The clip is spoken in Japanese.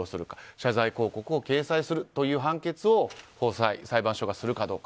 謝罪広告を掲載するという判決を高裁、裁判所がするかどうか。